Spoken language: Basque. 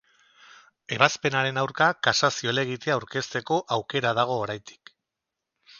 Ebazpenaren aurka kasazio helegitea aurkezteko aukera dago oraindik.